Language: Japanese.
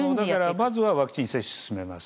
まずはワクチン接種を進めます。